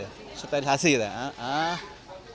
insya allah hari senin besok dilanjut dengan sterilisasi